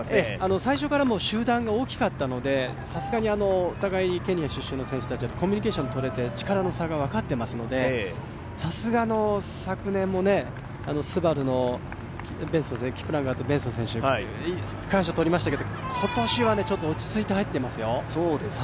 最初から集団が大きかったのでさすがにお互いにケニア出身の選手たちはコミュニケーションとれて力の差が分かっていますのでさすがの昨年もＳＵＢＡＲＵのキプランガット・ベンソ選手、区間賞をとりましたけど、今年は落ち着いて入ってましたよ。